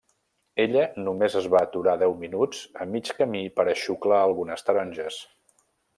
Ella només es va aturar deu minuts a mig camí per a xuclar algunes taronges.